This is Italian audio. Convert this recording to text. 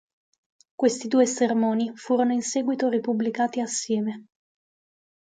Questi due sermoni furono in seguito ripubblicati assieme.